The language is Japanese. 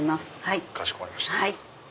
かしこまりました。